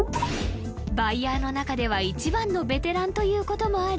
バイヤーの中では一番のベテランということもあり